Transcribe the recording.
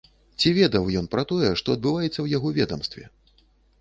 Ці ведаў ён пра тое, што адбываецца ў яго ведамстве?